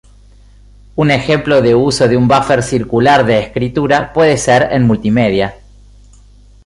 Un ejemplo de uso de un buffer circular de escritura puede ser en multimedia.